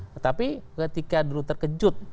tetapi ketika dulu terkejut